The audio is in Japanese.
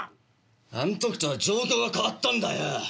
あの時とは状況が変わったんだよ！